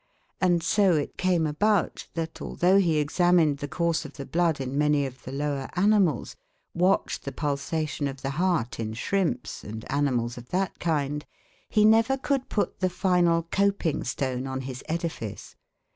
And so it came about, that, although he examined the course of the blood in many of the lower animals watched the pulsation of the heart in shrimps, and animals of that kind he never could put the final coping stone on his edifice.